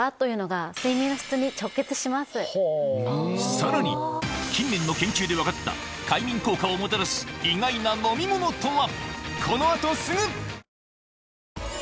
さらに近年の研究で分かった快眠効果をもたらす意外な飲み物とは？